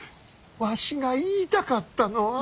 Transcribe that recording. わしが言いたかったのは。